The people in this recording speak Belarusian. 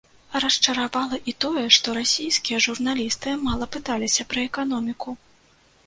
Расчаравала і тое, што расійскія журналісты мала пыталіся пра эканоміку.